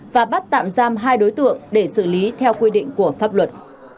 và bắt tạm giam hai đối tượng để xử lý theo quy định của pháp luật